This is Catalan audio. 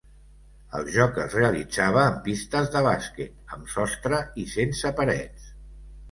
El joc es realitzava en pistes de bàsquet, amb sostre i sense parets.